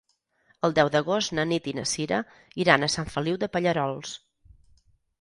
El deu d'agost na Nit i na Sira iran a Sant Feliu de Pallerols.